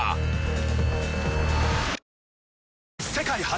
世界初！